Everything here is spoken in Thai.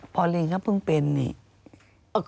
พอลิงก็เพิ่งเป็นนี่